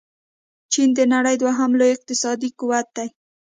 چين د نړۍ دوهم لوی اقتصادي قوت دې.